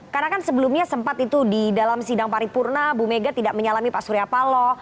karena kan sebelumnya sempat itu di dalam sidang paripurna bumega tidak menyalami pak surya palo